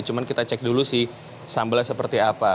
cuma kita cek dulu sih sambalnya seperti apa